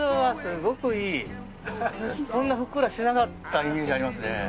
こんなにふっくらしていなかったイメージがありますね。